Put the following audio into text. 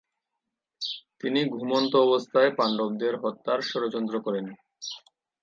তিনি ঘুমন্ত অবস্থায় পাণ্ডবদের হত্যার ষড়যন্ত্র করেন।